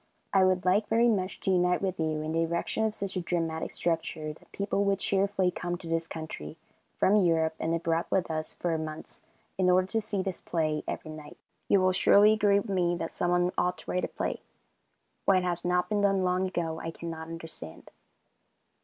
I would like very much to unite with you in the erection of such a dramatic structure that people would cheerfully come to this country from Europe, and board with us for months in order to see this play every night. You will surely agree with me that someone ought to write a play. Why it has not been done long ago, I cannot understand.